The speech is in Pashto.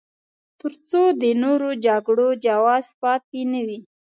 تر څو د نورو جګړو جواز پاتې نه وي.